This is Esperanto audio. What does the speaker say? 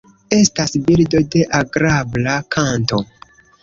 Estas birdo de agrabla kanto.